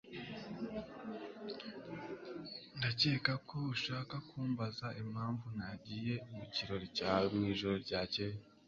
Ndakeka ko ushaka kumbaza impamvu ntagiye mu kirori cyawe mwijoro ryakeye.